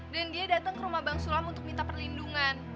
dan dia datang ke rumah bang sulam untuk minta perlindungan